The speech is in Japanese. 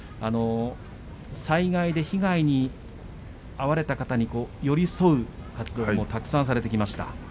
災害で被害に遭われた方に寄り添う活動もたくさんされてきました。